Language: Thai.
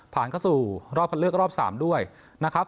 ผ่านเข้าสู่รอบคันเลือกรอบ๓ด้วยนะครับ